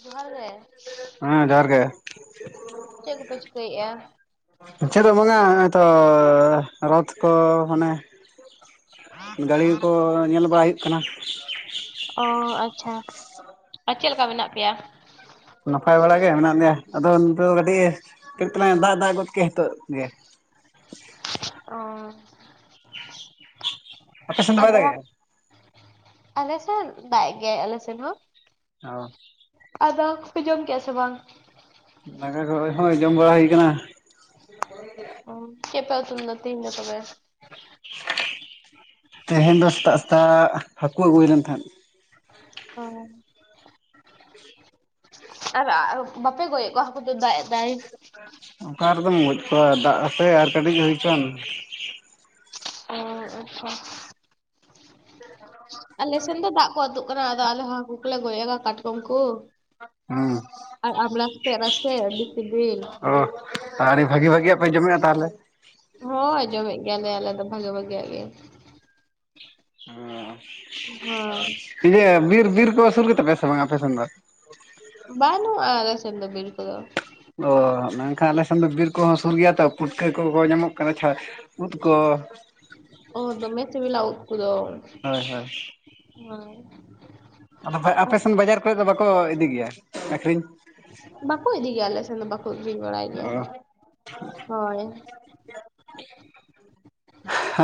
ᱡᱚᱦᱟᱨ ᱜᱮ ᱦᱮᱸ ᱡᱚᱦᱟᱨ ᱜᱮ ᱪᱮᱫ ᱠᱚᱯᱮ ᱪᱤᱠᱟᱹᱭᱮᱫ-ᱟ ᱪᱮᱫ ᱦᱚᱸ ᱵᱟᱝᱟ ᱦᱚᱜ-ᱚᱭ ᱛᱚ ᱨᱚᱛ ᱠᱚ ᱢᱟᱱᱮ ᱜᱟᱲᱤ ᱠᱚ ᱧᱮᱞ ᱵᱟᱲᱟᱣ ᱦᱩᱭᱩᱜ ᱠᱟᱱᱟ ᱚ ᱟᱪᱪᱷᱟ ᱟᱨ ᱪᱮᱫ ᱞᱮᱠᱟ ᱢᱮᱱᱟᱜ ᱯᱮᱭᱟ ᱱᱟᱯᱟᱭ ᱵᱟᱲᱟ ᱜᱮ ᱢᱮᱱᱟᱜ ᱞᱮᱭᱟ ᱟᱫᱚ ᱱᱤᱛᱚᱜ ᱠᱟᱹᱴᱤᱡ ᱫᱟᱜ ᱫᱟᱜ ᱜᱚᱫ ᱠᱮ ᱱᱤᱛᱚᱜ ᱜᱮ ᱚ ᱟᱯᱮ ᱥᱮᱱ ᱫᱚ ᱵᱟᱭ ᱟᱫᱚ ᱫᱟᱜᱮᱜᱼᱟ ᱟᱞᱮᱥᱮᱱ ᱫᱟᱜ ᱮᱫ ᱜᱮᱭᱟ ᱟᱞᱮ ᱥᱮᱱ ᱦᱚᱸ ᱚ ᱟᱫᱚ ᱫᱟᱠᱟ ᱠᱚᱯᱮ ᱡᱚᱝ ᱠᱮᱜ ᱟᱥᱮ ᱵᱟᱝ ᱫᱟᱠᱟ ᱦᱚᱸ ᱡᱚᱢ ᱵᱟᱲᱟ ᱦᱩᱭ ᱟᱠᱟᱱᱟ ᱚ ᱪᱮᱫ ᱞᱮ ᱩᱛᱩ ᱞᱮᱫᱟ ᱛᱮᱦᱮᱧ ᱫᱚ ᱛᱚᱵᱮ ᱛᱮᱦᱮᱧ ᱫᱚ ᱥᱮᱛᱟᱜ ᱥᱮᱛᱟᱜ ᱦᱟᱹᱠᱩ ᱟᱹᱜᱩ ᱦᱩᱭ ᱞᱮᱱ ᱛᱟᱦᱮᱸᱫ ᱚ ᱟᱨ ᱵᱟᱯᱮ ᱜᱚᱡᱮᱫ ᱠᱚᱣᱟ ᱦᱟᱹᱠᱩ ᱫᱚ ᱫᱟᱜ ᱮ ᱫᱟᱭ ᱚᱠᱟ ᱨᱮᱫᱚᱢ ᱜᱚᱡ ᱠᱚᱣᱟ ᱫᱟᱜ ᱟᱥᱮ ᱟᱨ ᱠᱟᱹᱴᱤᱡ ᱦᱩᱭ ᱦᱚᱪᱚᱣᱟᱱ ᱚ ᱟᱪᱪᱷᱟ ᱟᱞᱮ ᱥᱮᱱ ᱫᱚ ᱫᱟᱜ ᱠᱚ ᱩᱛᱩᱜ ᱠᱟᱱᱟ ᱟᱫᱚ ᱟᱞᱮ ᱦᱚ ᱦᱟᱹᱠᱩ ᱠᱚᱞᱮ ᱜᱚᱡᱮᱜ ᱠᱚᱣᱟ ᱠᱟᱴᱠᱚᱢ ᱠᱚ ᱦᱮᱸ ᱟᱨ ᱟᱢᱲᱟ ᱥᱟᱛᱮ ᱨᱟᱥᱮ ᱟᱰᱤ ᱥᱤᱵᱮᱞ ᱚ ᱵᱷᱟᱹᱜᱤ ᱵᱷᱟᱹᱜᱤᱭᱟᱜ ᱯᱮ ᱡᱚᱢᱮᱫ-ᱟ ᱛᱟᱦᱚᱞᱮ ᱦᱳᱭ ᱡᱚᱢᱮᱫ ᱜᱮᱭᱟᱞᱮ ᱟᱞᱮ ᱫᱚ ᱵᱷᱟᱜᱤ ᱵᱷᱟᱜᱤᱭᱟᱜ ᱜᱮ ᱦᱳᱭ ᱤᱭᱟᱹ ᱵᱤᱨ ᱵᱤᱨ ᱠᱚ ᱥᱩᱨ ᱜᱮᱛᱟ ᱯᱮᱭᱟ ᱥᱮ ᱵᱟᱝᱟ ᱟᱯᱮᱥᱮᱱ ᱫᱚ ᱵᱟᱱᱩᱜ-ᱟ ᱟᱞᱮᱥᱮᱫ ᱫᱚ ᱵᱤᱨ ᱠᱚ ᱫᱚ ᱚᱻ ᱢᱮᱱᱠᱷᱟᱱ ᱟᱞᱮ ᱥᱮᱱ ᱫᱚ ᱵᱤᱨ ᱠᱚᱦᱚᱸ ᱥᱩᱨ ᱜᱮᱭᱟ ᱛᱚ ᱯᱩᱴᱠᱟᱹ ᱠᱚᱠᱚ ᱧᱟᱢᱚᱜ ᱠᱟᱱᱟ ᱩᱫ ᱠᱚ ᱚ ᱫᱚᱢᱮ ᱥᱮᱵᱮᱞᱟ ᱩᱫ ᱠᱚ ᱫᱚ ᱦᱳᱭ ᱦᱳᱭ [unintelligible] ᱟᱫᱚ ᱟᱨ ᱟᱯᱮᱥᱮᱱ ᱵᱟᱡᱟᱨ ᱠᱚᱨᱮ ᱫᱚ ᱵᱟᱠᱚ ᱤᱫᱤ ᱜᱮᱭᱟ ᱟᱹᱠᱷᱨᱤᱧ ᱵᱟᱠᱚ ᱤᱫᱤ ᱜᱮᱭᱟ ᱟᱞᱮ ᱥᱮᱱ ᱫᱚ ᱵᱟᱠᱚ ᱟᱹᱠᱷᱨᱤᱧ ᱵᱟᱲᱟᱭ ᱜᱮᱭᱟ ᱚ ᱦᱳᱭ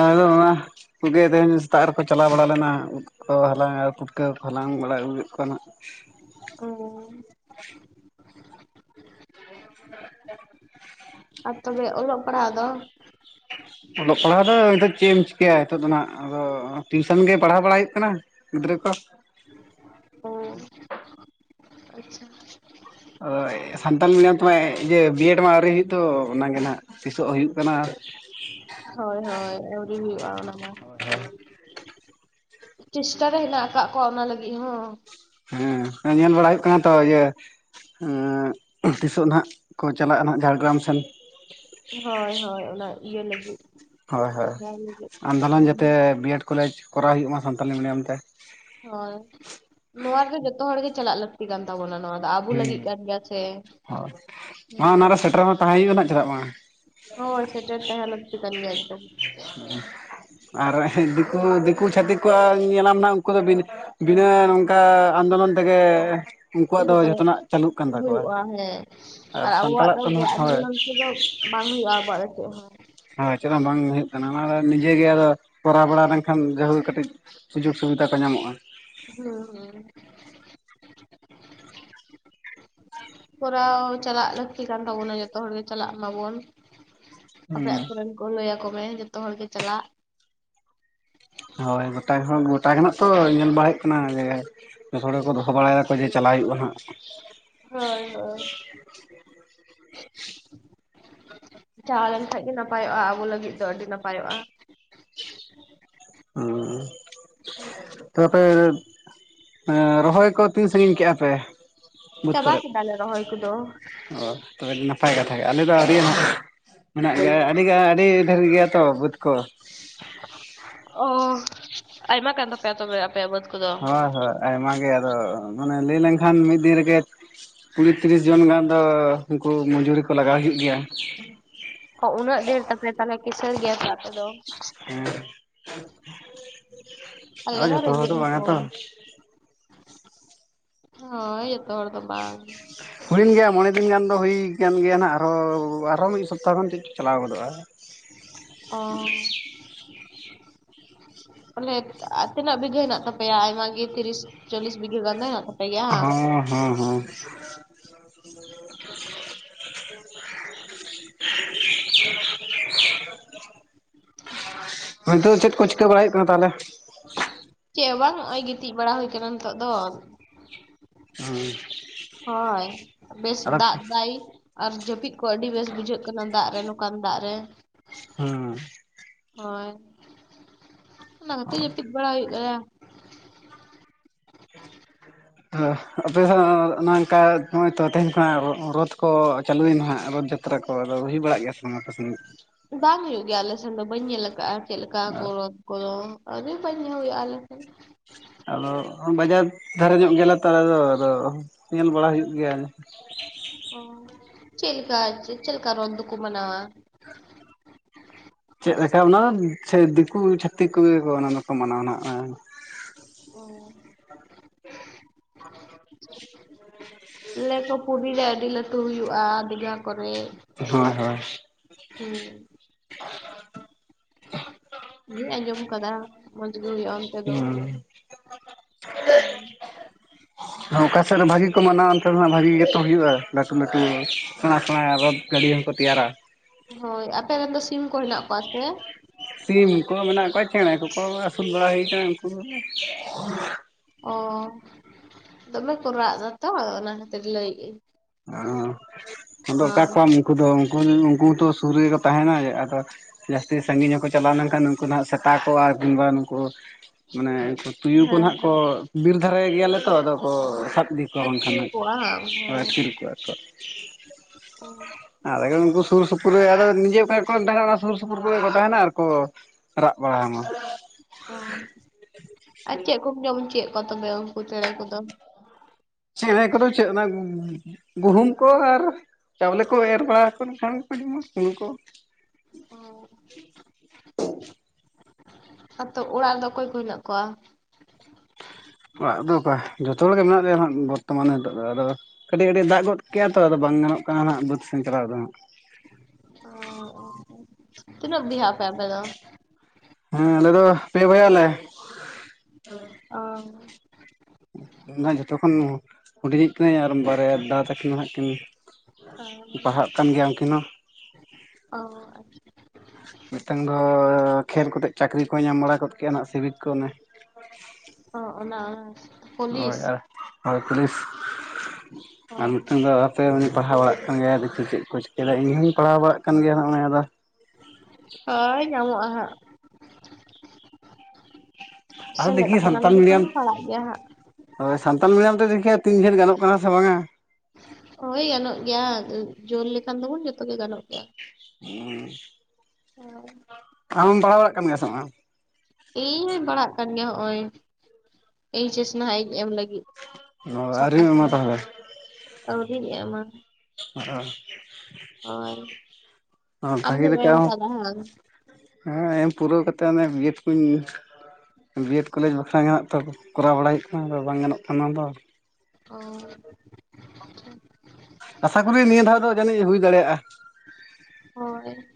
ᱟᱫᱚ ᱚᱱᱟ ᱠᱚᱜᱮ ᱛᱮᱦᱮᱧ ᱥᱮᱛᱟᱜ ᱨᱮᱠᱚ ᱪᱟᱞᱟᱣ ᱵᱟᱲᱟ ᱞᱮᱱᱟ ᱠᱚ ᱦᱟᱞᱟᱝᱟ ᱯᱩᱴᱠᱟᱹᱣ ᱠᱚ ᱦᱟᱞᱟᱝ ᱵᱟᱲᱟ ᱟᱹᱜᱩᱠᱮᱫ ᱠᱚᱣᱟ ᱦᱟᱸᱜ ᱚ ᱦ [unintelligible] [unintelligible] ᱟᱨ ᱛᱚᱵᱮ ᱚᱞᱚᱜ ᱯᱟᱲᱦᱟᱜ ᱫᱚ [unintelligible] [inaudible] ᱚᱞᱚᱜ ᱯᱟᱲᱦᱟᱜ ᱫᱚ ᱱᱤᱛᱚᱜ ᱪᱮᱫ ᱮᱢ ᱪᱤᱠᱟᱹᱭᱟ ᱱᱤᱛᱚᱜ ᱫᱚ ᱱᱟᱜ ᱟᱫᱚ ᱴᱤᱭᱩᱥᱚᱱ ᱜᱮ ᱯᱟᱲᱦᱟᱣ ᱵᱟᱲᱟᱭ ᱦᱩᱭᱩᱜ ᱠᱟᱱᱟ ᱜᱤᱫᱽᱨᱟᱹ ᱠᱚ ᱚ ᱟᱪᱪᱷᱟ ᱥᱟᱱᱛᱟᱞ ᱢᱤᱰᱤᱭᱟᱢ ᱛᱮᱢᱟ ᱮ ᱵᱤᱭᱮᱰ ᱢᱟ ᱟᱹᱣᱨᱤ ᱦᱩᱭᱩᱜ ᱛᱚ ᱚᱱᱟᱜᱮ ᱱᱟᱜ ᱛᱤᱥᱚᱜ ᱦᱩᱭᱩᱜ ᱠᱟᱱᱟ ᱦᱳᱭ ᱦᱳᱭ ᱟᱹᱣᱨᱤ ᱦᱩᱭᱩᱜᱼᱟ ᱚᱱᱟ ᱢᱟ᱾ ᱪᱮᱥᱴᱟ ᱨᱮ ᱦᱮᱱᱟᱜ ᱟᱠᱟᱫ ᱠᱚᱣᱟ ᱚᱱᱟ ᱞᱟᱹᱜᱤᱫ ᱦᱚᱸ᱾ ᱦᱮᱸ ᱧᱮᱞ ᱵᱟᱲᱟ ᱦᱩᱭᱩᱜ ᱠᱟᱱᱟ ᱛᱚ ᱤᱭᱟᱹ ᱛᱤᱥᱚᱜ ᱱᱟᱦᱟᱜ ᱠᱚ ᱪᱟᱞᱟᱜᱼᱟ ᱱᱟᱦᱟᱜ ᱡᱷᱟᱲᱜᱨᱟᱢ ᱥᱮᱱ᱾ ᱦᱳᱭ ᱦᱳᱭ ᱚᱱᱟ ᱤᱭᱟᱹ ᱞᱟᱹᱜᱤᱫ᱾ ᱦᱳᱭ ᱦᱳᱭ ᱵᱷᱮᱜᱟᱨ ᱞᱟᱹᱜᱤᱫ ᱟᱱᱫᱳᱞᱚᱱ ᱡᱟᱛᱮ ᱨᱮᱞᱤ ᱵᱤᱮᱰ ᱠᱚᱞᱮᱡᱽ ᱠᱚᱨᱟᱣ ᱦᱩᱭᱩᱜ ᱢᱟ ᱥᱟᱱᱛᱟᱞᱤ ᱢᱤᱰᱤᱭᱟᱢ ᱛᱮ᱾ ᱦᱳᱭ ᱱᱚᱣᱟ ᱨᱮᱫᱚ ᱡᱚᱛᱚ ᱦᱚᱲ ᱜᱮ ᱪᱟᱞᱟᱜ ᱞᱟᱹᱠᱛᱤ ᱠᱟᱱ ᱛᱟᱵᱚᱱᱟ ᱱᱚᱣᱟ ᱟᱵᱩ ᱞᱟᱹᱜᱤᱫ ᱠᱟᱱ ᱜᱮᱭᱟ ᱥᱮ ᱦᱮᱸ ᱦᱳᱭ ᱢᱟ ᱚᱱᱟᱨᱮ ᱾ ᱥᱮᱴᱮᱨ ᱦᱚᱸ ᱛᱟᱦᱮᱸ ᱦᱩᱭᱩᱜ ᱨᱮᱱᱟᱜ ᱪᱟᱞᱟᱜ ᱵᱟᱝ᱾ ᱦᱳ ᱥᱮᱴᱮᱨ ᱛᱟᱦᱚᱸ ᱞᱟᱠᱛᱤ ᱠᱟᱱ ᱜᱮᱭᱟ ᱮᱠᱫᱚᱢ᱾ ᱟᱨ ᱫᱤᱠᱩ ᱫᱤᱠᱩ ᱪᱷᱟᱹᱛᱤᱠ ᱠᱚᱣᱟᱜ ᱧᱮᱞᱟᱢ ᱦᱜ ᱩᱱᱠᱩ ᱫᱚ ᱵᱤ ᱵᱤᱱᱟᱹ ᱱᱚᱝᱠᱟ ᱟᱱᱫᱳᱞᱚᱱ ᱛᱮᱜᱮ ᱩᱱᱠᱩᱣᱟᱜ ᱫᱚ ᱡᱚᱛᱚ ᱡᱷᱚᱛᱚᱱᱟᱜ ᱪᱟᱹᱞᱩᱜ ᱠᱟᱱ ᱛᱟᱠᱚᱣᱟ ᱦᱩᱭᱩᱜᱼᱟ ᱦᱮᱸ ᱟᱨ ᱟᱵᱚᱣᱟᱜ ᱥᱟᱱᱛᱟᱲᱟᱜ ᱫᱚ ᱵᱮ ᱱᱟᱦᱟᱜ ᱦᱳᱭ ᱟᱱᱫᱳᱞᱚᱱ ᱛᱮᱫᱚ ᱵᱟᱝ ᱦᱩᱭᱩᱜ ᱟᱵᱚᱼᱟᱜ ᱫᱚ ᱪᱮᱫ ᱦᱚᱸ᱾ ᱦᱳᱭ ᱪᱮᱫᱦᱚ ᱵᱟᱝ ᱦᱩᱭᱩᱜ ᱠᱟᱱᱟ ᱚᱱᱟ ᱠᱚᱫᱚ ᱱᱤᱡᱮ ᱜᱮ ᱟᱫᱚ ᱠᱚᱨᱟᱣ ᱵᱟᱲᱟ ᱞᱮᱱᱠᱷᱟᱱ ᱡᱟᱹᱦᱩ ᱠᱟᱹᱴᱤᱡ ᱥᱩᱡᱳᱜᱽ ᱥᱩᱵᱤᱫᱷᱟ ᱠᱚ ᱧᱟᱢᱚᱜᱼᱟ᱾ ᱦᱩᱸ ᱦᱩᱸ᱾ ᱠᱚᱨᱟᱣ ᱪᱟᱞᱟᱜ ᱞᱟᱹᱠᱛᱤ ᱠᱟᱱ ᱛᱟᱵᱚᱱᱟ ᱡᱚᱛᱚ ᱦᱚᱲ ᱜᱮ ᱪᱟᱞᱟᱜ ᱢᱟᱵᱚᱱ᱾ ᱦᱩᱸ ᱟᱯᱮᱟᱛᱳ ᱨᱮᱱ ᱠᱚ ᱞᱟᱹᱭᱟᱠᱚ ᱢᱮ ᱡᱚᱛᱚ ᱦᱚᱲ ᱜᱮ ᱪᱟᱞᱟᱜ᱾ ᱦᱳᱭ ᱜᱚᱴᱟ ᱜᱚᱴᱟ ᱜᱮᱱᱟᱜ ᱛᱚ ᱧᱮᱞ ᱵᱟᱲᱟ ᱦᱩᱭᱩᱜ ᱠᱟᱱᱟ ᱡᱚᱛᱚ ᱦᱚᱲᱜᱮᱠᱚ ᱫᱚᱦᱚ ᱵᱟᱲᱟᱭᱫᱟᱠᱚ ᱡᱮ ᱪᱟᱞᱟᱜᱣ ᱦᱩᱭᱩᱜᱼᱟ ᱦᱟᱜ᱾ ᱦᱳᱭ ᱦᱳᱭ᱾ ᱪᱟᱞᱟᱣ ᱞᱮᱱᱠᱷᱟᱡ ᱜᱮ ᱱᱟᱯᱟᱭᱚᱜᱼᱟ ᱟᱵᱚ ᱞᱟᱹᱜᱤᱫ ᱫᱚ ᱟᱹᱰᱤ ᱱᱟᱯᱟᱭᱚᱜᱼᱟ᱾ ᱦᱩᱸ ᱛᱚ ᱟᱯᱮ ᱨᱚᱦᱚᱭ ᱠᱚ ᱛᱤᱱ ᱥᱟᱺᱜᱤᱧ ᱠᱮᱼᱟ ᱯᱮ? ᱵᱟᱹᱫᱽ ᱠᱚᱨᱮᱫ ᱪᱟᱵᱟᱠᱤᱫᱟᱞᱮ ᱨᱚᱦᱳᱭ ᱠᱚᱫᱚ᱾ ᱚ ᱛᱚ ᱟᱹᱰᱤ ᱱᱟᱯᱟᱭ ᱠᱟᱛᱷᱟ ᱜᱮ ᱟᱞᱮᱫᱚ ᱟᱳᱨᱤ ᱦᱟᱜ ᱢᱮᱱᱟᱜ ᱜᱮᱭᱟ ᱟᱹᱰᱤᱜᱟᱱ ᱟᱹᱰᱤ ᱰᱷᱮᱨ ᱜᱮᱭᱟ ᱛᱚ ᱵᱩᱫ ᱠᱚ᱾ ᱚ ᱟᱭᱢᱟ ᱠᱟᱱ ᱛᱟᱯᱮᱭᱟ ᱛᱚᱵᱮ ᱟᱯᱮᱭᱟ ᱵᱟᱹᱛ ᱦᱳᱭ ᱦᱳᱭ ᱟᱭᱢᱟ ᱜᱮ ᱟᱫᱚ ᱢᱟᱱᱮ ᱞᱟᱹᱭ ᱞᱮᱱᱠᱷᱟᱱ ᱢᱤᱫ ᱫᱤᱱ ᱨᱮᱜᱮ ᱠᱩᱲᱤ ᱛᱤᱨᱤᱥ ᱡᱚᱱ ᱜᱟᱱ ᱫᱚ ᱩᱱᱠᱩ ᱢᱚᱡᱩᱨᱤ ᱠᱚ ᱞᱟᱜᱟᱣ ᱦᱩᱭᱩᱜ ᱜᱮᱭᱟ᱾ ᱦᱚ-ᱳ ᱩᱱᱟᱹᱜ ᱰᱷᱮᱨ ᱛᱟᱯᱮ ᱛᱟᱦᱞᱮ ᱠᱤᱥᱟᱹᱲ ᱜᱮᱭᱟ ᱯᱮ ᱟᱯᱮ ᱫᱚ᱾ ᱦᱮᱸ ᱟᱞᱮ ᱟᱨ ᱫᱚ ᱡᱚᱛᱚ ᱦᱚᱲ ᱨᱮᱜᱮᱡ ᱵᱟᱝᱟ ᱦᱚᱯᱳᱱ᱾ ᱛᱚ ᱦᱚᱭ ᱡᱚᱛᱚ ᱦᱚᱲ ᱫᱚ ᱵᱟᱝ᱾ ᱦᱩᱭᱮᱱ ᱜᱮᱭᱟ ᱢᱚᱬᱮ ᱫᱤᱱ ᱜᱟᱱ ᱫᱚ ᱦᱩᱭ ᱟᱠᱟᱱ ᱜᱮᱭᱟ ᱦᱱᱟᱜ ᱟᱨᱦᱚᱸ ᱟᱨᱦᱚᱸ ᱢᱤᱫ ᱥᱚᱯᱛᱟᱦᱚ ᱜᱟᱱ ᱪᱮᱫ ᱪᱚ ᱪᱟᱞᱟᱣ ᱜᱚᱫᱚᱜᱼᱟ᱾ ᱚ ᱵᱚᱞᱮ ᱛᱤᱱᱟᱹᱜ ᱵᱤᱜᱟᱹ ᱦᱮᱱᱟᱜ ᱛᱟᱯᱮᱭᱟ ᱟᱭᱢᱟ ᱜᱮ ᱛᱤᱨᱤᱥ ᱪᱚᱞᱞᱤᱥ ᱵᱤᱜᱷᱟᱹ ᱜᱟᱱ ᱫᱚ ᱦᱮᱱᱟᱜ ᱛᱟᱯᱮᱭᱟ᱾ ᱦᱚᱸ ᱻ ᱦᱚᱸ ᱦᱚᱸ [inaudible] [inaudible] ᱱᱤᱛᱳᱜ ᱫᱚ ᱪᱮᱫ ᱠᱚ ᱪᱤᱠᱟᱹ ᱵᱟᱲᱟᱭ ᱦᱩᱭᱩᱜ ᱠᱟᱱᱟ ᱛᱟᱦᱞᱮ? ᱪᱮᱜ ᱦᱚᱸ ᱵᱟᱝ ᱱᱚᱚᱭ ᱜᱤᱛᱤᱡ ᱵᱟᱲᱟ ᱦᱩᱭ ᱠᱟᱱᱟ ᱱᱤᱛᱚᱜ ᱫᱚ᱾ ᱦᱚᱭ ᱵᱮᱥ ᱟᱫᱚ ᱫᱟᱜ ᱫᱟᱭ᱾ ᱟᱨ ᱡᱟᱹᱯᱤᱫ ᱠᱚ ᱟᱹᱰᱤ ᱵᱮᱥ ᱵᱩᱡᱷᱟᱹᱜ ᱠᱟᱱᱟ ᱫᱟᱜ ᱨᱮ ᱱᱚᱠᱟᱱ ᱫᱟᱜ ᱨᱮ᱾ ᱦᱩᱸ ᱦᱚᱭ ᱚᱱᱟ ᱠᱟᱛᱮ ᱡᱟᱹᱯᱤᱫ ᱵᱟᱲᱟ ᱦᱩᱭᱩᱜ ᱟᱭᱟ [inaudible] ᱟᱯᱮᱦᱚ ᱱᱝᱠᱟ ᱱᱚᱜᱚᱭ ᱛᱚ ᱛᱮᱦᱮᱧ ᱠᱷᱚ ᱱᱟᱜ ᱨᱚᱛᱷ ᱠᱚ ᱪᱟᱹᱞᱩᱭᱮᱱᱟ ᱦᱚᱸᱜ ᱨᱚᱛᱷ ᱡᱟᱛ ᱛᱨᱟ ᱠᱚᱫᱚ ᱦᱩᱭ ᱵᱟᱲᱟᱜ ᱜᱮᱭᱟ ᱥᱮ ᱵᱟᱝ ᱟᱯᱮ ᱥᱮᱱ? ᱵᱟᱝ ᱦᱩᱭᱩᱜ ᱜᱮᱭᱟ ᱟᱞᱮᱥᱱ ᱫᱚ ᱵᱟᱹᱧ ᱧᱮᱞ ᱠᱟᱜ-ᱟ ᱪᱮᱞᱮᱠᱟ ᱠᱚ ᱨᱚᱛ ᱠᱚᱫᱚ [unintelligible] ᱟᱞᱮ ᱥᱮᱱ ᱟᱫᱚ ᱵᱟᱡᱟᱨ ᱫᱷᱟᱨᱮ ᱧᱚᱜ ᱜᱮᱭᱟᱞᱮᱛᱚ ᱟᱫᱚ ᱧᱮᱞ ᱵᱟᱲᱟ ᱦᱩᱭᱩᱜ ᱜᱮᱭᱟ ᱚ ᱪᱮᱜ ᱞᱮᱠᱟ ᱪᱮᱞᱠᱟ ᱨᱚᱛ ᱫᱚ ᱠᱚ ᱢᱟᱱᱟᱣᱟ? ᱪᱮᱫ ᱞᱮᱠᱟ ᱚᱱᱟ ᱫᱚ ᱥᱮᱭ ᱫᱤᱠᱩ ᱪᱷᱟᱹᱛᱤᱠ ᱠᱚᱜᱮ ᱠᱚ ᱚᱱᱟ ᱫᱚᱠᱚ ᱢᱟᱱᱟᱣᱟ ᱱᱟᱸᱜ ᱚ ᱞᱮᱭᱟᱠᱚ ᱯᱩᱨᱤ ᱨᱮ ᱟᱹᱰᱤ ᱞᱟᱹᱴᱩ ᱦᱩᱭᱩᱜ-ᱟ ᱫᱤᱜᱷᱟ ᱠᱚᱨᱮ ᱦᱳᱭ ᱦᱳᱭ ᱦᱩᱸ ᱤᱧ ᱦᱩᱸᱧ ᱟᱸᱡᱚᱢ ᱠᱟᱫᱟ ᱢᱚᱸᱡᱽ ᱜᱮ ᱦᱩᱭᱩᱜ-ᱟ ᱚᱱᱛᱮ ᱫᱚ ᱦᱩᱸ [unintelligible] ᱚᱠᱟ ᱥᱮᱫ ᱨᱮ ᱵᱷᱟᱜᱤ ᱠᱚ ᱢᱟᱱᱟᱣᱟ ᱚᱱᱛᱮ ᱨᱮᱫᱚ ᱦᱟᱸᱜ ᱵᱷᱟᱜᱤ ᱜᱮᱛᱚ ᱦᱩᱭᱩᱜ-ᱟ ᱞᱟᱹᱴᱩ ᱞᱟᱹᱴᱩ ᱥᱮᱬᱟ ᱥᱮᱬᱟ ᱨᱚᱛᱷ ᱜᱟᱰᱤ ᱦᱚᱸᱠᱚ ᱛᱮᱭᱟᱨᱟ ᱦᱳᱭ ᱟᱯᱮ ᱨᱮᱱ ᱫᱚ ᱥᱤᱢ ᱠᱚ ᱦᱮᱱᱟᱜ ᱠᱚᱣᱟ ᱥᱮ ᱥᱤᱢ ᱠᱚ ᱢᱮᱱᱟᱜ ᱠᱚᱣᱟ ᱪᱮᱬᱮ ᱠᱚᱠᱚ ᱟᱹᱥᱩᱞ ᱵᱟᱲᱟ ᱦᱩᱭ ᱠᱟᱱᱟ ᱩᱱᱠᱩ ᱠᱚ ᱜᱮ ᱚ ᱫᱚᱢᱮ ᱠᱚ ᱨᱟᱜ ᱫᱟ ᱛᱚ ᱚᱱᱟ ᱠᱷᱟᱹᱛᱤᱨ ᱞᱟᱹᱭᱮ ᱟᱹᱧ ᱚ ᱟᱫᱚ ᱚᱠᱟ ᱦᱳᱭ ᱠᱚᱣᱟᱢ ᱩᱱᱠᱩ ᱫᱚ ᱩᱱᱠᱩ ᱦᱚᱛᱚ ᱥᱩᱨ ᱨᱮᱜᱮ ᱠᱚ ᱛᱟᱦᱮᱱᱟ ᱟᱫᱚ ᱡᱟᱹᱥᱛᱤ ᱥᱟᱺᱜᱤᱧ ᱦᱚᱸᱠᱚ ᱪᱟᱞᱟᱣ ᱞᱮᱱᱠᱷᱟᱱ ᱱᱩᱠᱩ ᱫᱚ ᱦᱟᱸᱜ ᱥᱮᱛᱟ ᱠᱚ ᱟᱨ ᱠᱤᱢᱵᱟ ᱱᱩᱠᱩ ᱢᱟᱱᱮ ᱩᱝᱠᱩ ᱛᱩᱭᱩ ᱠᱚ ᱦᱮᱸ ᱱᱟᱸᱜ ᱠᱚ ᱦᱮᱸ ᱵᱤᱨ ᱫᱷᱟᱨᱮ ᱜᱮᱭᱟᱞᱮ ᱛᱚ ᱟᱫᱚ ᱠᱚ ᱥᱟᱵᱽ ᱤᱫᱤ ᱠᱚᱣᱟ ᱵᱟᱝᱠᱷᱟᱱ ᱟᱹᱛᱠᱤᱨ ᱱᱟᱜ ᱟᱹᱛᱠᱤᱨ ᱠᱚᱣᱟ ᱠᱚ ᱚ ᱟᱞᱮ ᱜᱮ ᱩᱝᱠᱩ ᱥᱩᱨ ᱥᱩᱯᱩᱨ ᱨᱮ ᱟᱨᱚ ᱱᱤᱡᱮ ᱚᱠᱟ ᱠᱚᱨᱮᱢ ᱫᱟᱲᱟᱱᱟ ᱥᱩᱨ ᱥᱩᱯᱩᱨ ᱠᱚᱨᱮ ᱠᱚ ᱛᱟᱦᱮᱱᱟ ᱟᱨᱠᱚ ᱨᱟᱜ ᱵᱟᱲᱟ ᱦᱟᱢᱟ ᱚ ᱟᱨ ᱪᱮᱜ ᱠᱚᱢ ᱡᱚᱢ ᱚᱪᱚᱭᱮ ᱠᱚᱣᱟ ᱛᱚᱵᱮ ᱩᱱᱠᱩ ᱪᱮᱬᱮ ᱠᱚᱫᱚ? ᱪᱮᱬᱮ ᱠᱚᱫᱚ ᱪᱮᱜ ᱚᱱᱟ ᱜᱩᱦᱩᱢ ᱠᱚ ᱟᱨ ᱪᱟᱣᱞᱮ ᱠᱚ ᱮᱨ ᱵᱟᱲᱟ ᱟᱠᱚ ᱞᱮᱠᱷᱟᱱ ᱜᱮᱠᱚ ᱡᱚᱢᱟ ᱥᱤᱢ ᱠᱚ ᱚ ᱟᱫᱚ ᱚᱲᱟᱜ ᱨᱮᱫᱚ ᱚᱠᱚᱭ ᱠᱚ ᱦᱮᱱᱟᱜ ᱠᱚᱣᱟ? ᱚᱲᱟᱜ ᱫᱚ ᱚᱠᱚᱭ ᱡᱚᱛᱚ ᱦᱚᱲ ᱜᱮ ᱢᱮᱱᱟᱜ ᱞᱮᱭᱟ ᱦᱟᱸᱜ ᱵᱚᱨᱛᱚᱢᱟᱱ ᱦᱤᱛᱳᱜ ᱫᱚ ᱟᱫᱚ ᱠᱟᱹᱴᱤᱡᱽ ᱠᱟᱹᱴᱤᱡᱽ ᱫᱟᱜᱽ ᱜᱚᱫ ᱠᱮᱼ ᱟ ᱛᱚ ᱟᱫᱚ ᱵᱟᱝ ᱜᱟᱱᱚᱜ ᱠᱟᱱᱟ ᱦᱟᱸᱜ ᱵᱟᱹᱫᱽ ᱥᱮᱱ ᱪᱟᱞᱟᱣ ᱫᱚ ᱦᱟᱸᱜ ᱚᱻ ᱚ ᱟᱪᱪᱷᱟ ᱵᱚᱭᱦᱟ ᱟᱯᱮ ᱟᱯᱮ ᱫᱚ? ᱦᱮᱸ ᱟᱞᱮ ᱫᱚ ᱯᱮ ᱵᱚᱭᱦᱟ ᱟᱞᱮ ᱚ ᱤᱧ ᱫᱚ ᱦᱟᱸᱜ ᱡᱚᱛᱚᱠᱷᱚᱱ ᱦᱩᱰᱤᱧᱤᱡ ᱠᱤᱱᱟᱹᱧ ᱟᱨ ᱵᱟᱨᱭᱟ ᱫᱟ ᱛᱟᱹᱠᱤᱱ ᱫᱚ ᱦᱟᱸᱜ ᱠᱤᱱ ᱯᱟᱲᱦᱟᱜ ᱠᱟᱱ ᱜᱮᱭᱟ ᱩᱝᱠᱤᱱ ᱦᱚᱸ ᱚ ᱢᱮᱴᱟᱝ ᱫᱚ ᱠᱷᱮᱞ ᱠᱚᱛᱮ ᱪᱟᱠᱨᱤ ᱠᱚᱭ ᱧᱟᱢ ᱵᱟᱲᱟ ᱠᱚᱫ ᱠᱮᱜ-ᱟ ᱱᱟᱜ ᱥᱤᱵᱤᱠ ᱠᱚ ᱚᱱᱮ ᱚ ᱚᱱᱟ ᱚᱱᱟ ᱦᱳᱭ ᱟᱨ ᱦᱳᱭ ᱯᱩᱞᱤᱥ ᱟᱨ ᱢᱤᱴᱮᱱ ᱫᱚ ᱛᱮ ᱩᱱᱤᱧ ᱯᱟᱲᱦᱟᱣ ᱵᱟᱲᱟᱜ ᱠᱟᱱ ᱜᱮᱭᱟ ᱫᱮᱠᱷᱤ ᱪᱮᱫ ᱠᱚᱭ ᱪᱤᱠᱟᱹᱭ ᱫᱟ ᱤᱧᱦᱚᱸᱧ ᱯᱟᱲᱦᱟᱣ ᱵᱟᱲᱟᱜ ᱠᱟᱱ ᱜᱮᱭᱟ ᱱᱟᱸᱜ ᱼᱚᱭ ᱟᱫᱚ ᱦᱳᱭ ᱧᱟᱢᱚᱜᱼᱟ ᱦᱟᱸᱜ ᱟᱨ ᱥᱮᱞᱮᱫ ᱫᱮᱠᱷᱤ ᱠᱟᱱᱟᱢ ᱥᱟᱱᱛᱟᱞ ᱢᱤᱰᱤᱭᱟᱢ ᱡᱚᱠᱷᱚᱱᱮᱢ ᱯᱟᱲᱟᱜ ᱜᱮᱭᱟ ᱦᱟᱸᱜ ᱦᱳᱭ ᱥᱟᱱᱛᱟᱞ ᱢᱤᱰᱭᱟᱢ ᱛᱮ ᱫᱮᱠᱷᱤ ᱛᱤᱱᱟᱜ ᱡᱷᱟᱹᱞ ᱜᱟᱱᱚᱜ ᱠᱟᱱᱟ ᱥᱮ ᱵᱟᱝᱼᱟ ᱦᱳᱭ ᱜᱟᱱᱚᱜ ᱜᱮᱭᱟ ᱡᱳᱨ ᱞᱮᱠᱷᱟᱱ ᱫᱚᱵᱚᱱ ᱡᱚᱛᱚ ᱜᱮ ᱜᱟᱱᱚᱜ ᱜᱮᱭᱟ᱾ ᱦᱩ ᱦᱳᱭ ᱟᱢᱮᱢ ᱯᱟᱲᱦᱟᱣ ᱵᱟᱲᱟᱜ ᱠᱟᱱ ᱜᱮᱭᱟ ᱥᱮ ᱵᱟᱝ ᱤᱧ ᱦᱚᱧ ᱯᱟᱲᱦᱟᱜ ᱠᱟᱱ ᱜᱮᱭᱟ ᱦᱚᱜᱼᱚᱭ ᱮᱡ ᱮᱥ ᱱᱟᱦᱟᱜ ᱤᱧ ᱮᱢ ᱞᱟᱹᱜᱤᱫ ᱚ ᱟᱹᱣᱨᱤᱢ ᱥᱟᱛᱟᱥ ᱮᱢᱟ ᱨᱮ ᱛᱟᱦᱚᱞᱮ ᱟᱹᱣᱨᱤᱧ ᱮᱢᱟ ᱟᱨ ᱚ ᱟᱢ ᱵᱷᱟᱹᱜᱤ ᱫᱚᱢ ᱞᱮᱠᱟ ᱮᱢ ᱟᱠᱟᱫᱟ ᱦᱟᱸᱜ ᱦᱮᱸ ᱮᱢ ᱯᱩᱨᱟᱹᱣ ᱠᱟᱛᱮᱫ ᱚᱱᱮ ᱵᱤᱼᱮᱰ ᱠᱚᱧ ᱵᱤᱼᱮᱰ ᱠᱚᱞᱮᱡᱽ ᱵᱟᱠᱷᱨᱟ ᱱᱟᱜ ᱛᱚ ᱠᱚᱨᱟᱣ ᱵᱟᱲᱟᱭ ᱠᱟᱱᱟ ᱟᱫᱚ ᱵᱟᱝ ᱜᱟᱱᱚᱜ ᱠᱟᱱᱟᱫᱚ ᱚ ᱟᱥᱟ ᱠᱚᱨᱤ ᱱᱤᱭᱟᱹ ᱫᱷᱟᱣ ᱫᱚ ᱡᱟᱹᱱᱤᱡ ᱦᱩᱭ ᱫᱟᱲᱮᱭᱟᱜᱼᱟ ᱾ ᱦᱳᱭ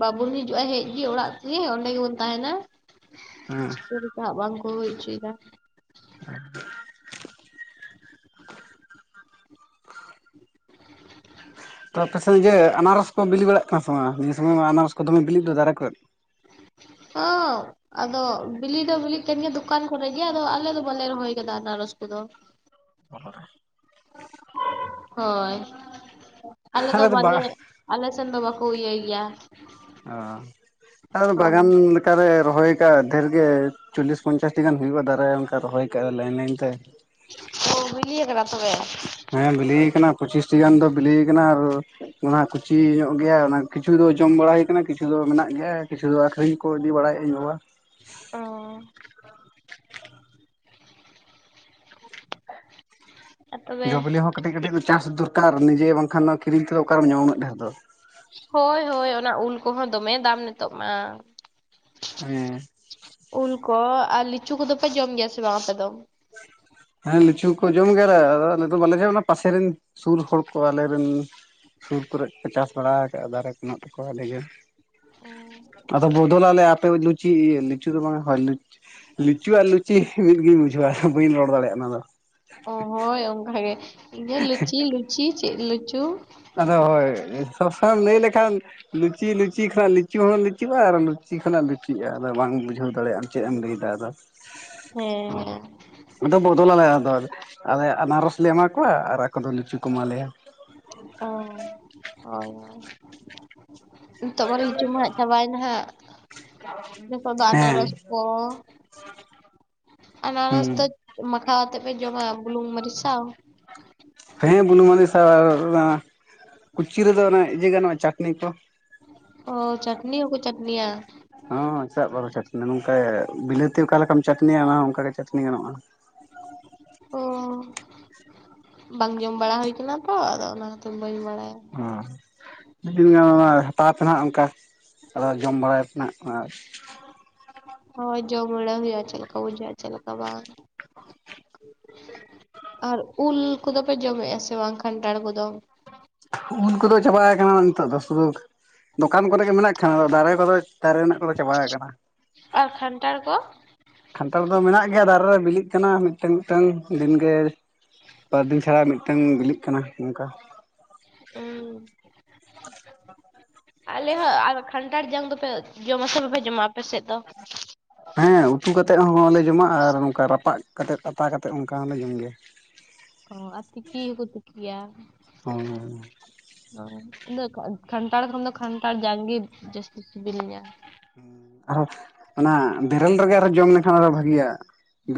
ᱵᱟᱵᱚᱱ ᱦᱤᱡᱩᱜᱼᱟ ᱦᱮᱡᱜᱮ ᱚᱲᱟᱜ ᱜᱮ ᱚᱱᱰᱮ ᱜᱮᱵᱚᱱ ᱛᱟᱦᱮᱱᱟ ᱾ ᱦᱮᱸ ᱪᱮᱞᱮᱠᱟ ᱵᱟᱝᱠᱚ ᱦᱚᱪᱚᱭ ᱫᱟ ᱾ [unintelligible] [inaudible] ᱛᱚ ᱟᱯᱮᱥᱮ ᱤᱭᱟᱹ ᱟᱱᱟᱨᱚᱥ ᱠᱚ ᱵᱤᱞᱤ ᱵᱟᱲᱟᱜ ᱠᱟᱱᱟ ᱥᱮ ᱵᱟᱝ? ᱱᱤᱭᱟᱹ ᱥᱚᱢᱚᱭ ᱢᱟ ᱟᱱᱟᱨᱚᱥ ᱠᱚ ᱫᱚᱢᱮ ᱵᱤᱞᱮᱫᱫᱟ ᱫᱟᱨᱮ ᱠᱷᱚᱨᱮ ᱾ ᱚᱻ ᱟᱫᱚ ᱵᱤᱞᱤ ᱫᱚ ᱵᱤᱞᱤᱜ ᱠᱟᱱ ᱜᱮᱭᱟ ᱫᱚᱠᱟᱱ ᱠᱚᱨᱮᱜᱮ ᱟᱫᱚ ᱟᱞᱮ ᱫᱚ ᱵᱟᱞᱮ ᱨᱚᱦᱚᱭ ᱟᱠᱟᱫᱟ ᱟᱱᱟᱨᱚᱥ ᱠᱚᱫᱚ ᱾ [unintelligible] ᱦᱳᱭ ᱟᱞᱮ ᱫᱚ ᱵᱟᱞᱮ ᱟᱞᱮ ᱥᱮᱱ ᱫᱚ ᱵᱟᱠᱚ ᱤᱭᱟᱹᱭ ᱜᱮᱭᱟ ᱾ ᱚ ᱟᱨ ᱵᱟᱜᱟᱱ ᱚᱱᱠᱟᱨᱮ ᱨᱚᱦᱚᱭ ᱟᱠᱟᱫ ᱫᱷᱮᱨ ᱜᱮ ᱪᱚᱞᱞᱤᱥ ᱯᱚᱧᱪᱟᱥᱴᱤ ᱜᱟᱱ ᱦᱩᱭᱩᱜᱼᱟ ᱫᱟᱨᱮ ᱚᱱᱠᱟ ᱨᱚᱦᱚᱭ ᱠᱟᱜ ᱞᱟᱭᱤᱱ ᱞᱟᱭᱤᱱ ᱛᱮ ᱾ ᱚ ᱵᱤᱞᱤᱟ ᱠᱟᱱᱟ ᱛᱚᱵᱮ? ᱦᱮᱸ ᱵᱤᱞᱤ ᱠᱟᱱᱟ ᱯᱚᱸᱪᱤᱥᱴᱤ ᱜᱟᱱ ᱫᱚ ᱵᱤᱞᱤ ᱠᱟᱱᱟ ᱟᱨ ᱚᱱᱟ ᱠᱩᱪᱤ ᱧᱚᱜ ᱜᱮᱭᱟ ᱚᱱᱟ ᱠᱤᱪᱷᱩ ᱫᱚ ᱡᱚᱢ ᱵᱟᱲᱟ ᱦᱩᱭ ᱟᱠᱟᱱᱟ ᱠᱤᱪᱷᱩ ᱫᱚ ᱢᱮᱱᱟᱜ ᱜᱮᱭᱟ ᱠᱤᱪᱷᱩ ᱫᱚ ᱟᱹᱠᱷᱨᱤᱧ ᱠᱚ ᱤᱫᱤ ᱵᱟᱲᱟᱭᱮᱜᱼᱟ ᱤᱧ ᱵᱟᱵᱟ ᱾ ᱚ ᱛᱚᱵᱮ ᱡᱚ ᱵᱤᱞᱤ ᱦᱚᱸ ᱠᱟᱹᱴᱤᱡ ᱠᱟᱹᱴᱤᱡ ᱪᱟᱥ ᱫᱚᱨᱠᱟᱨ ᱱᱤᱡᱮ ᱵᱟᱝᱠᱷᱟᱱ ᱠᱤᱨᱧ ᱛᱮᱫᱚ ᱚᱠᱟᱨᱮᱢ ᱧᱟᱢᱟ ᱩᱱᱟᱜ ᱰᱷᱮᱨ ᱫᱚ ᱾ ᱦᱳᱭ ᱦᱳᱭ ᱚᱱᱟ ᱩᱞ ᱠᱚᱦᱚᱸ ᱫᱚᱢᱮ ᱫᱟᱢ ᱱᱤᱛᱚᱜ ᱢᱟ ᱾ ᱦᱮᱸ ᱩᱞ ᱠᱚ ᱟᱨ ᱞᱤᱪᱩ ᱠᱚᱫᱚ ᱯᱮ ᱡᱚᱢ ᱜᱮᱭᱟ ᱥᱮ ᱵᱟᱝ ᱟᱯᱮ ᱫᱚ? ᱦᱮᱸ ᱞᱤᱪᱩ ᱠᱚ ᱡᱚᱢ ᱜᱮᱭᱟᱞᱮ ᱟᱫᱚ ᱟᱞᱮ ᱫᱚ ᱵᱟᱞᱮᱜᱮ ᱡᱚᱢᱟ ᱯᱟᱥᱮᱨᱮᱱ ᱥᱩᱨ ᱦᱚᱲ ᱠᱚ ᱟᱞᱮᱨᱮᱱ ᱥᱩᱨ ᱠᱚᱨᱮᱫ ᱠᱚ ᱪᱟᱥ ᱵᱟᱲᱟ ᱟᱠᱟᱜᱼᱟ ᱫᱟᱨᱮ ᱧᱚᱜ ᱛᱟᱠᱚᱣᱟ ᱟᱹᱰᱤᱜᱮ ᱾ ᱟᱫᱚ ᱵᱚᱫᱚᱞ ᱟᱞᱮ ᱟᱯᱮ ᱞᱩᱪᱤ ᱞᱤᱪᱩ ᱫᱚ ᱵᱟᱝᱟ [unintelligible] ᱞᱤᱪᱩ ᱟᱨ ᱞᱩᱪᱤ ᱢᱤᱫᱜᱤᱧ ᱵᱩᱡᱷᱟᱹᱣᱟ ᱵᱟᱹᱧ ᱨᱚᱲ ᱫᱟᱲᱮᱭᱟᱜᱼᱟ ᱚᱱᱟ ᱫᱚ ᱾ ᱚ ᱦᱳᱭ ᱚᱱᱠᱟ ᱜᱮ ᱤᱧᱟᱹᱜ ᱞᱩᱪᱤ ᱞᱩᱪᱤ ᱪᱮᱫ ᱞᱚᱪᱚ ᱾ ᱟᱫᱚ ᱦᱳᱭ ᱥᱚᱵ ᱥᱚᱢᱚᱭ ᱞᱟᱹᱭ ᱞᱮᱠᱷᱟᱱ ᱞᱩᱪᱤ ᱞᱩᱪᱤ ᱠᱷᱚᱭᱜ ᱞᱤᱪᱩ ᱦᱚᱸ ᱞᱤᱪᱤᱜᱼᱟ ᱟᱨ ᱞᱩᱪᱤ ᱠᱷᱚᱱᱟᱜ ᱞᱩᱪᱤᱜᱼᱟ ᱟᱫᱚ ᱵᱟᱝ ᱵᱩᱡᱷᱟᱹᱣ ᱫᱟᱲᱮᱭᱟᱜᱼᱟ ᱾ ᱪᱮᱫ ᱮᱢ ᱞᱟᱹᱭᱮᱫᱟ ᱟᱫᱚ? ᱦᱮᱸ ᱟᱫᱚ ᱵᱚᱫᱚᱞᱟᱞᱮ ᱟᱫᱚ ᱟᱨ ᱟᱞᱮ ᱟᱱᱟᱨᱚᱥ ᱞᱮ ᱮᱢᱟ ᱠᱚᱣᱟ ᱟᱨ ᱟᱠᱚ ᱫᱚ ᱞᱤᱪᱩ ᱠᱚ ᱮᱢᱟ ᱞᱮᱭᱟ ᱾ ᱚ ᱦᱳᱭ ᱦᱳᱭ ᱱᱤᱛᱚᱜ ᱢᱟ ᱞᱤᱪᱩ ᱢᱟ ᱦᱟᱜ ᱪᱟᱵᱟᱭᱱᱟ ᱦᱟᱜ ᱾ ᱱᱤᱛᱚᱜ ᱫᱚ ᱦᱮᱸ ᱟᱱᱟᱨᱚᱥ ᱠᱚ ᱾ ᱟᱱᱟᱨᱚᱥ ᱦᱩᱸ ᱫᱚ ᱢᱟᱠᱷᱟᱣ ᱟᱛᱮᱜ ᱯᱮ ᱡᱚᱢᱟ ᱵᱩᱞᱩᱝ ᱢᱟᱹᱨᱤᱪ ᱥᱟᱣ? ᱦᱮᱸ ᱵᱩᱞᱩ ᱢᱟᱹᱱᱤ ᱥᱟᱣ ᱟᱨ ᱠᱩᱪᱤ ᱨᱮᱫᱚ ᱤᱭᱟᱹ ᱜᱟᱱᱚᱜᱼᱟ ᱪᱟᱹᱴᱱᱤ ᱠᱚ ᱾ ᱚ ᱪᱟᱹᱴᱱᱤ ᱦᱠᱚ ᱪᱟᱹᱴᱱᱤᱭᱟ? ᱦᱚᱸᱜ ᱪᱮᱫᱟᱜ ᱵᱟᱠᱚ ᱪᱟᱹᱴᱱᱤᱭᱟ ᱱᱚᱝᱠᱟ ᱵᱤᱞᱟᱹᱛᱤ ᱚᱠᱟ ᱞᱮᱠᱟᱢ ᱪᱟᱹᱴᱱᱤᱭᱟ ᱚᱱᱠᱟ ᱜᱮ ᱪᱟᱹᱴᱱᱤ ᱜᱟᱱᱚᱜ ᱟ ᱾ ᱚ ᱵᱟᱝ ᱡᱚᱢ ᱵᱟᱲᱟ ᱦᱩᱭ ᱠᱟᱱᱟ ᱛᱚ ᱟᱫᱚ ᱚᱱᱟ ᱠᱷᱟᱛᱤᱨ ᱵᱟᱹᱧ ᱵᱟᱲᱟᱭ ᱾ ᱚ ᱢᱤᱫ ᱫᱤᱱ ᱜᱟᱱ ᱚᱱᱟ ᱦᱟᱛᱟᱣ ᱛᱮᱱᱟᱜ ᱚᱱᱠᱟ ᱟᱫᱚ ᱡᱚᱢ ᱵᱟᱲᱟᱭᱯᱮ ᱱᱟᱱᱟᱜ ᱟᱨ ᱦᱳᱭ ᱡᱚᱢ ᱵᱟᱲᱟ ᱦᱩᱭᱩᱜᱼᱟ ᱪᱮᱫ ᱞᱮᱠᱟ ᱵᱩᱡᱷᱟᱹᱜᱼᱟ ᱪᱮᱫ ᱞᱮᱠᱟ ᱵᱟᱝ ᱾ ᱟᱨ ᱩᱞ ᱠᱚᱫᱚ ᱯᱮ ᱡᱚᱢᱮᱫᱼᱟ ᱥᱮ ᱵᱟᱝ ᱠᱷᱟᱱᱴᱟᱲ ᱠᱚᱫᱚ? ᱩᱞ ᱠᱚᱫᱚ ᱪᱟᱵᱟᱭ ᱠᱟᱱᱟ ᱱᱤᱛᱚᱜ ᱫᱚ ᱥᱩᱫᱩ ᱫᱚᱠᱟᱱ ᱠᱚᱨᱮ ᱜᱮ ᱢᱮᱱᱟᱜ ᱠᱷᱟᱱ ᱟᱫᱚ ᱫᱟᱨᱮ ᱠᱚᱫᱚ ᱫᱟᱨᱮ ᱨᱮᱱᱟᱜ ᱠᱚᱫᱚ ᱪᱟᱵᱟ ᱟᱠᱟᱱᱟ ᱾ ᱟᱨ ᱠᱷᱟᱱᱴᱟᱨ ᱠᱚ ᱠᱟᱱᱟᱱᱴᱲ ᱫᱚ ᱢᱮᱱᱟᱜ ᱜᱮᱭᱟ ᱫᱟᱨᱮ ᱨᱮ ᱵᱤᱞᱤᱜ ᱠᱟᱱᱟ ᱢᱤᱫᱴᱟᱝ ᱢᱤᱫᱴᱟᱝ ᱫᱤᱱᱜᱮ ᱵᱟᱨ ᱫᱤᱱ ᱪᱷᱟᱲᱟ ᱢᱤᱫᱴᱟᱝ ᱵᱤᱞᱤᱜ ᱠᱟᱱᱟ ᱱᱚᱝᱠᱟ ᱦᱩᱸ ᱟᱞᱮ ᱦᱚᱸ ᱟᱨ ᱠᱷᱟᱱᱴᱷᱟᱲ ᱡᱟᱝ ᱫᱚᱯᱮ ᱡᱚᱢ ᱟᱯᱮ ᱥᱮ ᱵᱟᱯᱮ ᱡᱚᱢᱟ ᱟᱯᱮ ᱥᱮᱫ ᱫᱚ ᱦᱮᱸ ᱩᱛᱩ ᱠᱟ ᱠᱟᱛᱮᱫ ᱦᱚᱸᱞᱮ ᱡᱚᱢᱟ ᱟᱨ ᱱᱚᱝᱠᱟ ᱨᱟᱯᱟᱜ ᱠᱟᱛᱮᱮᱫ ᱟᱛᱟ ᱠᱟᱛᱮᱫ ᱚᱱᱠᱟ ᱦᱚᱸᱞᱮ ᱡᱚᱢ ᱜᱮᱭᱟ ᱚ ᱟᱨ ᱛᱤᱠᱤ ᱦᱚᱸᱠᱚ ᱛᱤᱠᱤᱭᱟ ᱚ ᱚ ᱤᱫᱚ ᱠᱷᱟᱱᱛᱷᱟᱲ ᱠᱷᱚᱱ ᱫᱚ ᱠᱷᱟᱱᱛᱷᱟᱲ ᱡᱟᱝᱜᱮ ᱡᱟᱹᱥᱛᱤ ᱥᱤᱵᱤᱞᱤᱧᱟᱹ ᱟᱨᱦᱚᱸ ᱚᱱᱟ ᱵᱮᱨᱮᱞ ᱨᱮᱜᱮ ᱟᱨᱚ ᱡᱚᱢ ᱞᱮᱠᱷᱟᱱ ᱟᱨᱚ ᱵᱷᱟᱜᱟᱜ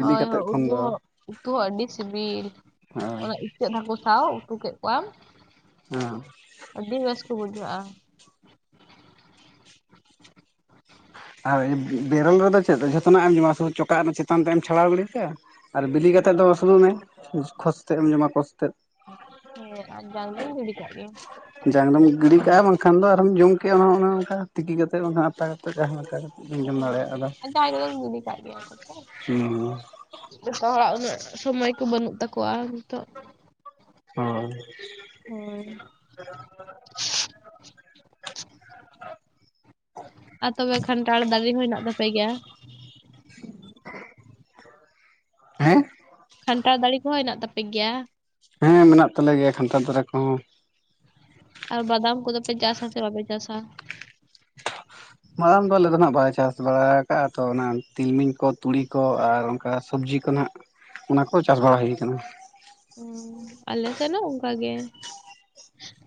ᱦᱳᱭ ᱦᱳᱭ ᱩᱛᱩ ᱦᱚᱸ ᱩᱛᱩ ᱦᱚᱸ ᱟᱹᱰᱤ ᱥᱤᱵᱤᱞ ᱚᱱᱟ ᱟᱨ ᱪᱮᱫ ᱦᱟᱹᱠᱩ ᱥᱟᱵ ᱩᱛᱩ ᱠᱮᱫ ᱠᱚᱣᱟᱢ ᱦᱚᱸ ᱟᱹᱰᱤ ᱵᱮᱥ ᱠᱚ ᱵᱩᱡᱷᱟᱹᱜᱼᱟ ᱟᱨ ᱵᱮᱨᱮᱞ ᱨᱮᱫᱚ ᱪᱮᱫ ᱡᱚᱛᱚᱱᱟᱜ ᱮᱢ ᱡᱚᱢᱟ ᱥᱩᱫᱩ ᱪᱚᱠᱟᱜ ᱨᱮᱱᱟᱜ ᱪᱮᱛᱟᱱ ᱛᱮ ᱮᱢ ᱪᱷᱟᱲᱟᱣ ᱜᱤᱟᱲᱰᱤ ᱠᱮᱭᱟ ᱟᱨ ᱵᱤᱞᱤ ᱠᱟᱛᱮᱫ ᱫᱚ ᱟᱹᱥᱩᱞᱩᱜ ᱢᱮ ᱠᱷᱡᱽ ᱛᱮᱫ ᱮᱢ ᱡᱚᱢᱟ ᱠᱚᱡᱽ ᱛᱮᱫ ᱦᱮᱸ ᱟᱨ ᱡᱟᱝ ᱫᱚᱢ ᱜᱤᱰᱤ ᱠᱟᱜ ᱜᱮ ᱡᱟᱝ ᱨᱮᱢ ᱜᱤᱰᱤ ᱠᱟᱜᱼᱟ ᱵᱟᱝᱠᱷᱟᱱ ᱫᱚ ᱟᱨᱢ ᱡᱚᱢ ᱠᱮᱜᱼᱟ ᱚᱱᱟ ᱚᱱᱮ ᱚᱱᱠᱟ ᱛᱤᱠᱤ ᱠᱟᱛᱮᱮᱫ ᱟᱛᱟ ᱠᱟᱛᱮᱫ ᱡᱟᱦᱟᱸ ᱦᱟᱛᱟ ᱠᱟᱛᱮ ᱦᱮᱸ ᱡᱟᱦᱟᱭ ᱠᱚᱫᱚ ᱠᱚ ᱜᱤᱰᱤ ᱠᱷᱟᱜ ᱜᱮᱭᱟ ᱥᱮ ᱦᱳᱭ ᱡᱚᱛᱚ ᱦᱚᱲᱟᱜ ᱩᱱᱟᱹᱜ ᱥᱚᱢᱚᱭ ᱠᱚ ᱵᱟᱹᱱᱩᱜ ᱛᱟᱠᱚᱣᱟ ᱱᱤᱛᱳ ᱦᱚᱭ ᱦᱳᱭ᱾ ᱟᱨ ᱛᱚᱵᱮ ᱠᱷᱟᱱᱴᱟᱲᱲ ᱫᱟᱨᱮ ᱦᱚᱸ ᱦᱮᱱᱟᱜ ᱛᱟᱯᱮ ᱜᱮᱭᱟ ᱦᱮᱸ ᱠᱷᱟᱱᱴᱟᱣ ᱫᱟᱲᱮ ᱠᱚᱦᱚᱸ ᱦᱮᱱᱟᱜ ᱛᱟᱯᱮ ᱜᱮᱭᱟ ᱦᱮᱸ ᱢᱮᱱᱟᱜ ᱛᱟᱞᱮ ᱜᱮᱭᱟ ᱠᱷᱟᱱᱛᱷᱟ ᱫᱷᱟᱨᱟ ᱠᱚᱦᱚᱸ ᱟᱨ ᱵᱟᱫᱟᱢ ᱠᱚᱫᱚ ᱯᱮ ᱪᱟᱥᱟ ᱥᱮ ᱵᱟᱯᱮ ᱪᱟᱥᱟ [inaudible] ᱫᱚ ᱟᱞᱮ ᱫᱚ ᱦᱟᱜ ᱵᱟᱞᱟᱭ ᱪᱟᱥ ᱵᱟᱲᱟ ᱟᱠᱟᱫᱟᱼᱟ ᱛᱚ ᱚᱱᱟ ᱛᱤᱞᱢᱤᱧ ᱠᱚ ᱛᱩᱲᱤ ᱠᱚ ᱟᱨ ᱚᱱᱠᱟ ᱥᱚᱵᱽᱡᱤ ᱠᱚ ᱚᱱᱟ ᱠᱚ ᱪᱟᱥ ᱵᱟᱲᱟ ᱦᱩᱭ ᱟᱠᱟᱱᱟ ᱟᱞᱮ ᱥᱮᱱᱚ ᱚᱱᱠᱟᱜ ᱜᱮ